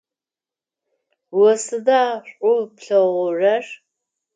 О сыда шӏу плъэгъурэр?